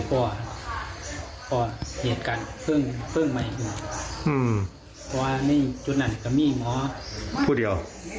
เพราะว่านี่จุดนั้นก็มีหมอผู้เดียว